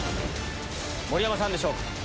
盛山さんでしょうか？